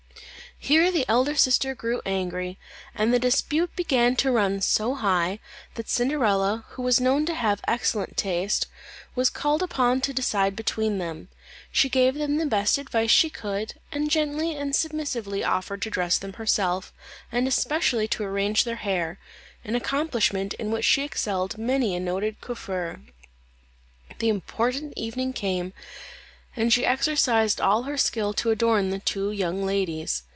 Here the elder sister grew angry, and the dispute began to run so high, that Cinderella, who was known to have excellent taste, was called upon to decide between them. She gave them the best advice she could, and gently and submissively offered to dress them herself, and especially to arrange their hair, an accomplishment in which she excelled many a noted coiffeur. The important evening came, and she exercised all her skill to adorn the two young ladies.